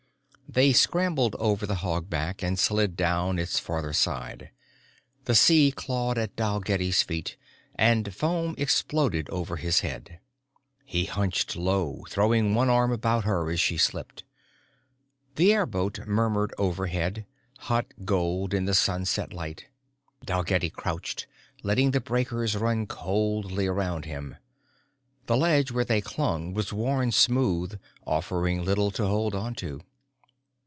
They scrambled over the hogback and slid down its farther side. The sea clawed at Dalgetty's feet and foam exploded over his head. He hunched low, throwing one arm about her as she slipped. The airboat murmured overhead, hot gold in the sunset light. Dalgetty crouched, letting the breakers run coldly around him. The ledge where they clung was worn smooth, offered little to hold onto.